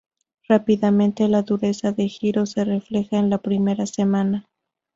Rápidamente, la dureza del Giro se refleja en la primera semana.